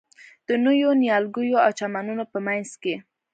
د نویو نیالګیو او چمنونو په منځ کې.